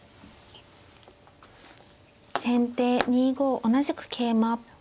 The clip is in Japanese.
先手２五同じく桂馬。